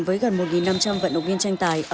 với gần một năm trăm linh vận động viên tranh tài